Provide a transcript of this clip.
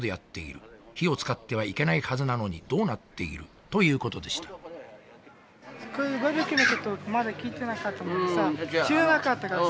火を使ってはいけないはずなのにどうなっている」ということでしたバーベキューのことまだ聞いてなかったもんでさ知らなかったからさ。